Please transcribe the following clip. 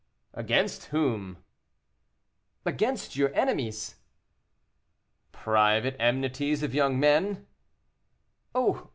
"Against whom?" "Against your enemies." "Private enmities of young men?" "Oh!